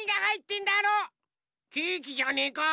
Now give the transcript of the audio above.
ケーキじゃねえか？